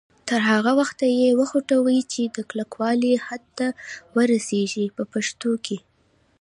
تر هغه وخته یې وخوټوئ چې د کلکوالي حد ته ورسیږي په پښتو کې.